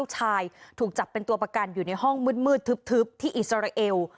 ชายถูกจับเป็นตัวประกันอยู่ในห้องมืดทึบที่อิสราเอล